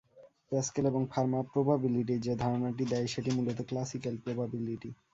Pascal এবং Fermat প্রবাবিলিটির যে ধারনাটি দেয় সেটি মূলত ক্লাসিক্যাল প্রবাবিলিটি।